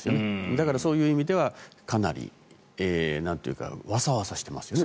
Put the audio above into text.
だから、そういう意味ではかなり、わさわさしてますよね。